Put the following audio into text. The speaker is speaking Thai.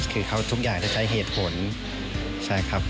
คือเขาทุกอย่างได้ใช้เหตุผลใช่ครับ